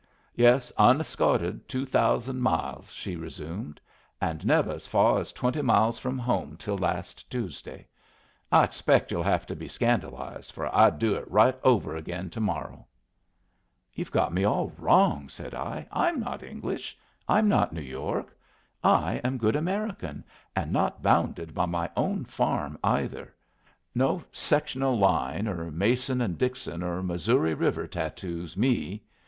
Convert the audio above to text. "Yes, unescorted two thousand miles," she resumed, "and never as far as twenty from home till last Tuesday. I expect you'll have to be scandalized, for I'd do it right over again to morrow." "You've got me all wrong," said I. "I'm not English; I'm not New York. I am good American, and not bounded by my own farm either. No sectional line, or Mason and Dixon, or Missouri River tattoos me.